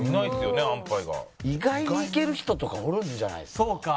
意外にいける人とかおるんじゃないですか？